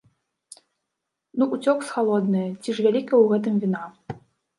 Ну уцёк з халоднае, ці ж вялікая ў гэтым віна!